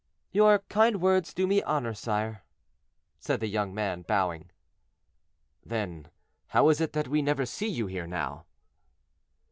"Your kind words do me honor, sire," said the young man, bowing. "Then how is it that we never see you here now?"